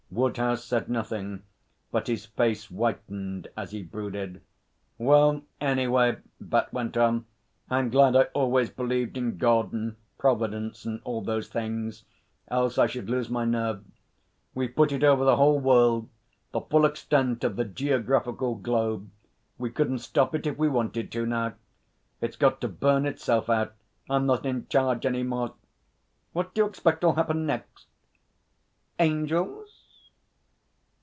Woodhouse said nothing, but his face whitened as he brooded. 'Well, any way,' Bat went on, 'I'm glad I always believed in God and Providence and all those things. Else I should lose my nerve. We've put it over the whole world the full extent of the geographical globe. We couldn't stop it if we wanted to now. It's got to burn itself out. I'm not in charge any more. What d'you expect'll happen next. Angels?'